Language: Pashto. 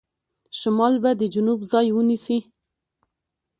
شمال به د جنوب ځای ونیسي.